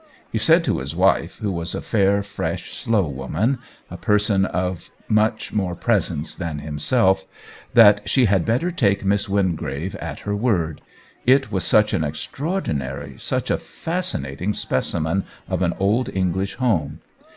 He said to his wife, who was a fair, fresh, slow woman — a per son of much more presence than himself — that she had better take Miss Wingrave at her word : it was such an extraordinary, such a fascinating specimen of an old Eng lish home.